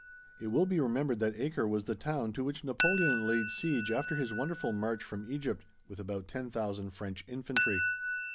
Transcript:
It will be remembered that Acre was the town to which Napoleon laid siege after his wonderful march from Egypt with about 10,000 French Infantry.